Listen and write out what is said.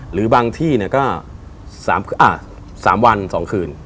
หรือบางที่ก็๓วัน๒คืน